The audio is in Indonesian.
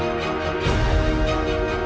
tante itu sudah berubah